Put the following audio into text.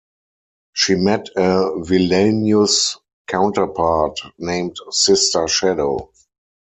She met a villainous counterpart named Sister Shadow.